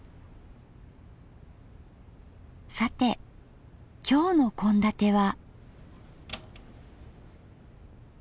さて今日の献立は。